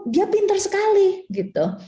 dia pintar sekali gitu